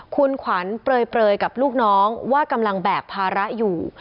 คุณขวัญเปลยกับลูกน้องว่ากำลังแบกภาระอยู่